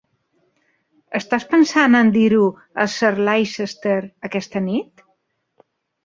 Estàs pensant en dir-ho a Sir Leicester aquesta nit?